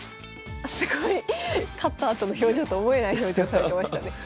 すごい勝ったあとの表情と思えない表情されてましたね。